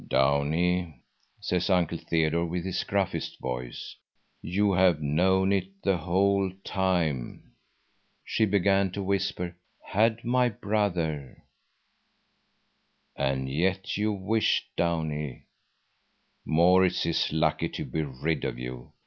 "Downie," says Uncle Theodore with his gruffest voice: "You have known it the whole time!" She began to whisper: "Had my brother—" "And yet you wished, Downie—Maurits is lucky to be rid of you.